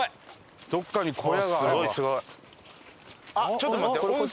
ちょっと待って温泉。